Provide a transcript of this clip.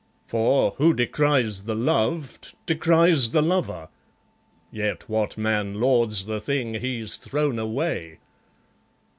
For, who decries the loved, decries the lover; Yet what man lauds the thing he's thrown away?